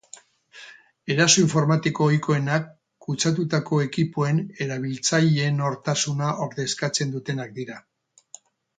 Eraso informatiko ohikoenak kutsatutako ekipoen erabiltzaileen nortasuna ordezkatzen dutenak dira.